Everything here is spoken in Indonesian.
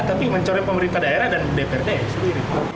tapi mencoreng pemerintah daerah dan dprd sendiri